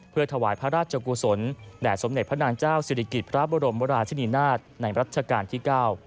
เพื่อถวายพระราชกุศลแด่สมเด็จพระนางเจ้าศิริกิจพระบรมราชนีนาฏในรัชกาลที่๙